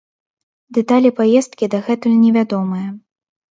Дэталі паездкі дагэтуль невядомыя.